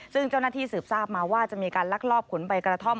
ซึ่งเจ้าหน้าที่สืบทราบมาว่าจะมีการลักลอบขนใบกระท่อม